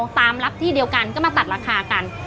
ตามรับที่เดียวกันก็มาตัดราคากัน